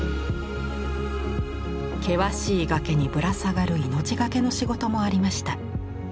険しい崖にぶら下がる命懸けの仕事もありました。